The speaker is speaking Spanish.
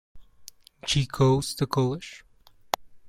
G. Goes to College".